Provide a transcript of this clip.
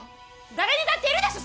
誰にだっているでしょ